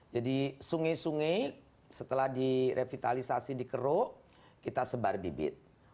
jadi sungai sungai setelah direvitalisasi dikeruk kita sebar bibit